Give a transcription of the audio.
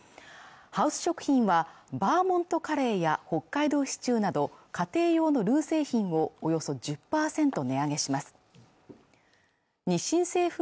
ハウス食品はバーモントカレーや北海道シチューなど家庭用のルー製品をおよそ１０％値上げします日清製粉